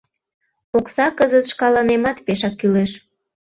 Окса кызыт шкаланемат пешак кӱлеш...